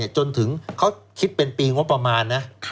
จนถึงเขาคิดเป็นปีงบประมาณนะ